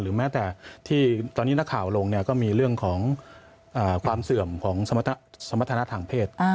แม้แต่ที่ตอนนี้นักข่าวลงก็มีเรื่องของความเสื่อมของสมรรถนะทางเพศ